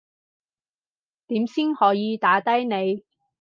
點先可以打低你